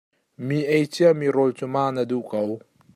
Mi ei cia mi rawl cu ma na duh ko?